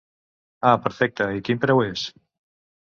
Ah perfecte, i quin preu es?